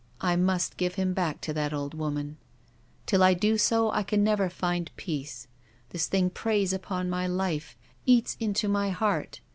I must give him back to that old woman. Till I do so I can never find peace. This thing preys upon my life, eats into my heart.